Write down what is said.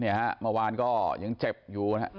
เนี่ยฮะเมื่อวานก็ยังเจ็บอยู่นะฮะ